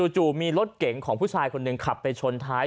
จู่มีรถเก๋งของผู้ชายคนหนึ่งขับไปชนท้าย